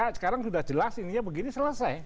sekarang sudah jelas ininya begini selesai